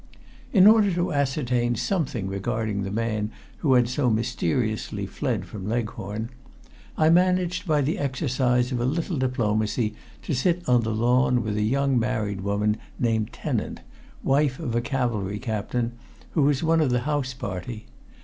In order to ascertain something regarding the man who had so mysteriously fled from Leghorn, I managed by the exercise of a little diplomacy to sit on the lawn with a young married woman named Tennant, wife of a cavalry captain, who was one of the house party.